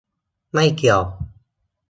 ไม่เกี่ยว